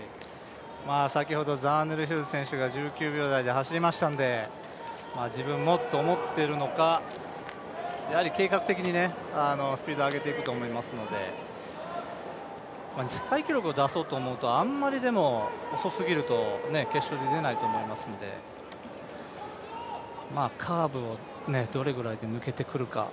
先ほどザーネル・ヒューズ選手が１９秒台で走りましたので自分もと思っているのか、やはり計画的にスピードを上げていくと思いますので、世界記録を出そうと思うとあまり遅すぎると決勝で出ないと思いますのでカーブをどれぐらいで抜けてくるか。